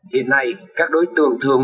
hiện nay các đối tượng thường